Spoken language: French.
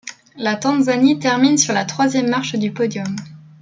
La Tanzanie termine sur la troisième marche du podium.